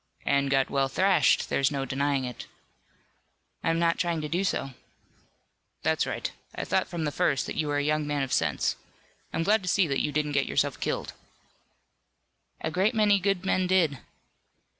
"And got well thrashed. There's no denying it." "I'm not trying to do so." "That's right. I thought from the first that you were a young man of sense. I'm glad to see that you didn't get yourself killed." "A great many good men did."